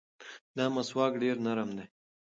دا مسواک ډېر نرم دی.